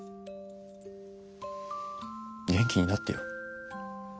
元気になってよ。